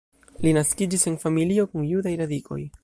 Li naskiĝis en familio kun judaj radikoj.